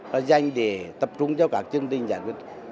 và dành để tập trung cho các chương trình giải quyết